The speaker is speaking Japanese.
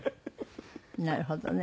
なるほどね。